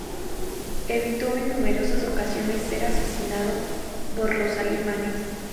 Evitó en numerosas ocasiones ser asesinado por los alemanes.